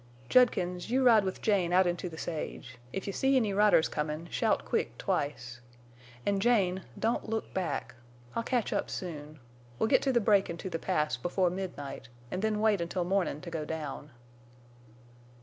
"Judkins, you ride with Jane out into the sage. If you see any riders comin' shout quick twice. An', Jane, don't look back! I'll catch up soon. We'll get to the break into the Pass before midnight, an' then wait until mornin' to go down."